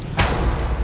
mau kemana dia